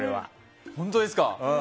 本当ですか！